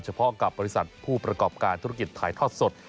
เพาะกับบริษัทผู้ประกอบการธุรกิจถ่ายทอดสด